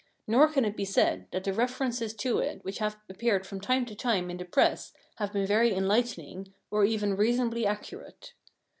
Nor can it be said that the references to it which have appeared from time to time in the Press have been very enlightening, or even reasonably accurate.